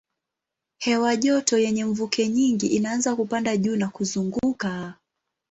Hewa joto yenye mvuke nyingi inaanza kupanda juu na kuzunguka.